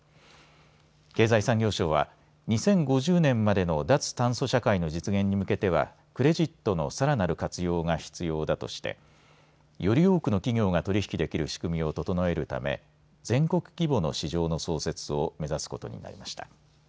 経済産業省は２０５０年までの脱炭素社会の実現に向けてはクレジットのさらなる活用が必要だとしてより多くの企業が取り引きできる仕組みを整えるため全国規模の市場の創設を目指すことになりました。